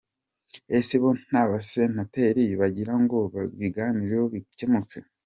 Ese bo nta basenateri bagira ngo babiganireho bikemuke?”.